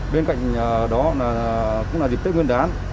bên cạnh đó cũng là dịch tích nguyên đán